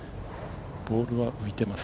ボールは浮いています。